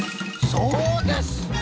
そうです！